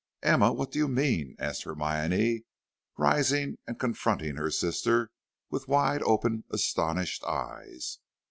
"Emma, what do you mean?" asked Hermione, rising and confronting her sister, with wide open, astonished eyes.